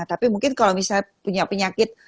tapi mungkin kalau misalnya punya penyakit